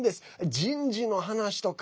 人事の話とか。